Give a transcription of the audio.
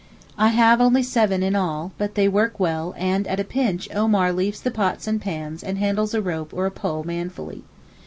I have only seven in all, but they work well, and at a pinch Omar leaves the pots and pans and handles a rope or a pole manfully.